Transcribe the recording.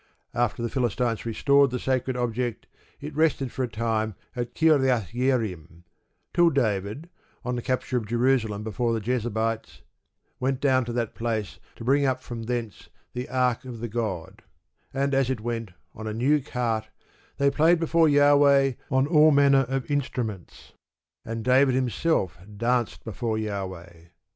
After the Philistines restored the sacred object, it rested for a time at Kirjath jearim till David, on the capture of Jerusalem from the Jebusites, went down to that place to bring up from thence the ark of the god; and as it went, on a new cart, they "played before Jahweh on all manner of instruments," and David himself "danced before Jahweh."...